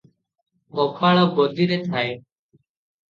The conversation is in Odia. ଗୋପାଳ ଗଦିରେ ଥାଏ ।